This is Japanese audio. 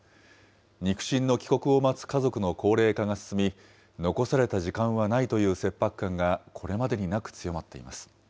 肉親の帰国を待つ家族の高齢化が進み、残された時間はないという切迫感が、これまでになく強まっています。